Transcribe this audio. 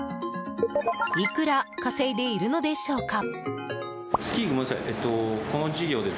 いくら稼いでいるのでしょうか？